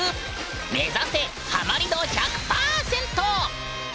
目指せハマり度１００％！